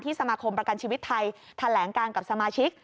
ที่สมาคมประกันชีวิตไทยทันแหลงกันกับสมาชิก